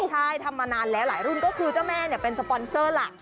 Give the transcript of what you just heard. ใช่ทำมานานแล้วหลายรุ่นก็คือเจ้าแม่เป็นสปอนเซอร์หลัก